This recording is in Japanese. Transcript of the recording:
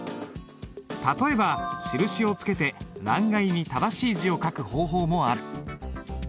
例えば印をつけて欄外に正しい字を書く方法もある。